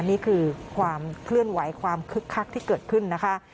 นี่คือความเคลื่อนไหวความคึกคักที่เกิดขึ้นนะคะ